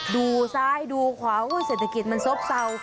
ดูซ้ายดูขวาเศรษฐกิจมันซบเศร้า